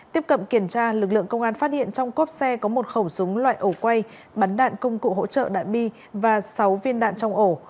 tiếp cận kiểm tra lực lượng công an phát hiện trong cốp xe có một khẩu súng loại ổ quay bắn đạn công cụ hỗ trợ đạn bi và sáu viên đạn trong ổ